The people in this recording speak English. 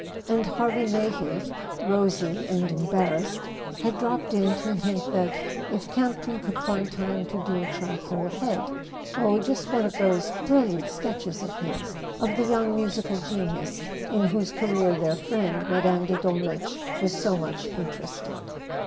And Harvey Mayhew, rosy and embarrassed, had dropped in to hint that, if Campton could find time to do a charcoal head—oh, just one of those bril¬ liant sketches of his—of the young musical genius in whose career their friend Mme. de Dolmetsch was so much interested.